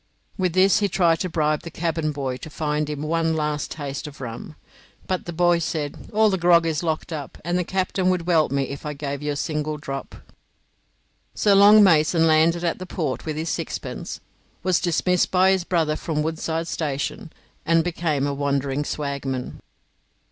With this he tried to bribe the cabin boy to find for him one last taste of rum; but the boy said, "All the grog is locked up, and the captain would welt me if I gave you a single drop." So Long Mason landed at the Port with his sixpence, was dismissed by his brother from Woodside Station, and became a wandering swagman.